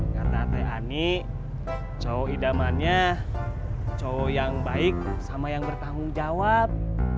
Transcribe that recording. karena teh ani cowok idamannya cowok yang baik sama yang bertanggung jawab